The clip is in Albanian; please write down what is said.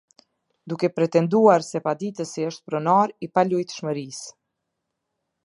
Duke pretenduar se paditësi është pronar i paluajtshmerisë.